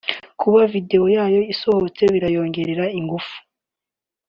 kuba video yayo isohotse birayongerera ingufu